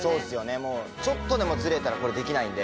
もうちょっとでもずれたらこれできないんで。